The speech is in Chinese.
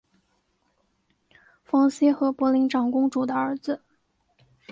冯熙和博陵长公主的儿子。